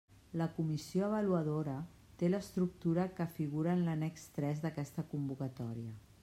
La comissió avaluadora té l'estructura que figura en l'annex tres d'aquesta convocatòria.